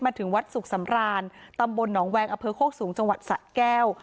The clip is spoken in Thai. ถึงวัดสุขสำรานตำบลหนองแวงอำเภอโคกสูงจังหวัดสะแก้ว